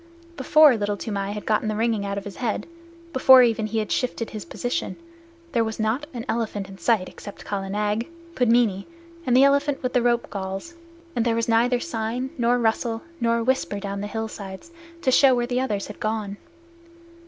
Before Little Toomai had got the ringing out of his head, before even he had shifted his position, there was not an elephant in sight except Kala Nag, Pudmini, and the elephant with the rope galls, and there was neither sign nor rustle nor whisper down the hillsides to show where the others had gone.